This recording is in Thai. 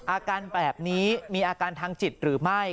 อาการแบบนี้มีอาการทางจิตหรือไม่